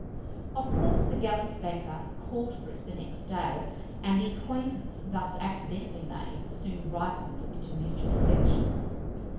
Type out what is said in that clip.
Of course, the gallant banker called for it the next day, and the acquaintance thus accidentally made, soon ripened into mutual affection.